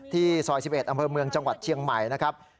ที่ซอยสิบเอ็ดอำเภอเมืองชะวัดเชียงใหม่นะครับ